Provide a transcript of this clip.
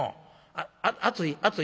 『熱い熱い』。